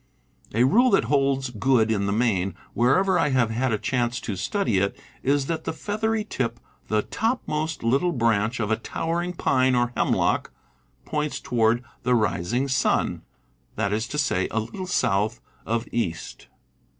A rule that holds good in the main, wherever I have had a chance to study it, is that the feathery tip, the _,., topmost little branch, of a towering _. pine or hemlock, points toward the ris ing sun, that is to say, a little south of east.